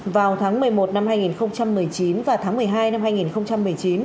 vào tháng một mươi một năm hai nghìn một mươi chín và tháng một mươi hai năm hai nghìn một mươi chín